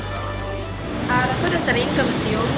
saya sudah sering ke museum